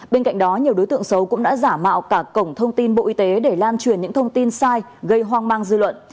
bên cạnh đó nhiều đối tượng xấu cũng đã giả mạo cả cổng thông tin bộ y tế để lan truyền những thông tin sai gây hoang mang dư luận